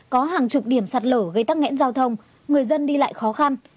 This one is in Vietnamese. có hàng chục điểm sạt lở gây tắc nghẽn giao thông người dân đi lại khó khăn